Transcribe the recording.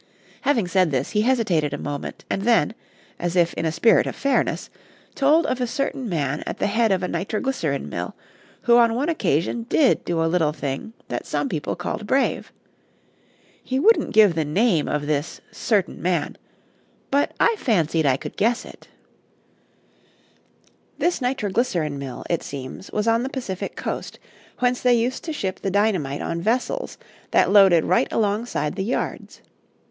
Having said this, he hesitated a moment, and then, as if in a spirit of fairness, told of a certain man at the head of a nitroglycerin mill who on one occasion did do a little thing that some people called brave. He wouldn't give the name of this "certain man," but I fancied I could guess it. [Illustration: "HE WENT TO WORK THROWING WATER ON THE BURNING BOXES."] This nitroglycerin mill, it seems, was on the Pacific coast, whence they used to ship the dynamite on vessels that loaded right alongside the yards.